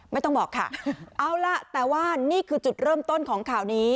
ไม่ต้องบอกค่ะเอาล่ะแต่ว่านี่คือจุดเริ่มต้นของข่าวนี้